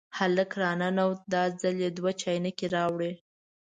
هلک را ننوت، دا ځل یې دوه چاینکې راوړې.